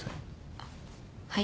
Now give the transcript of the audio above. あっはい。